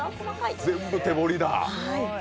全部手彫りだ。